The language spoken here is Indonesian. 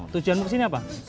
tujuanmu ke sini apa